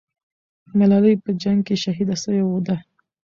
ملالۍ په جنگ کې شهیده سوې ده.